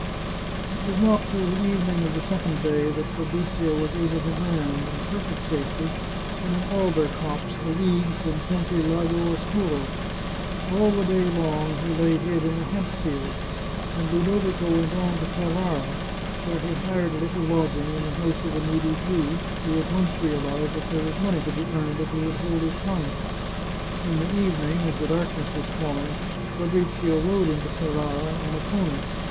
It was not till the evening of the second day that Fa brizio was able to land, in perfect safety, in an alder copse a league from Ponte Lago Oscuro. All the day long he lay hid in a hemp field, and Ludovico went on to Ferrara, where he hired a little lodging in the house of a needy Jew, who at once realized that there was money to be earned if he would hold his tongue. In the evening, as the darkness was falling, Fabrizio rode into Ferrara on a pony.